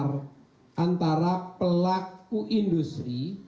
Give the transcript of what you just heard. terciptanya kerjasama antara pelaku industri